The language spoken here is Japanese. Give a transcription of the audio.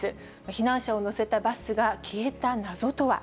避難者を乗せたバスが消えた謎とは。